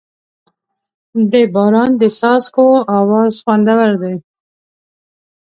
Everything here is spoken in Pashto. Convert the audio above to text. د باران د څاڅکو اواز خوندور دی.